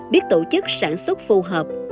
biết tổ chức sản xuất phù hợp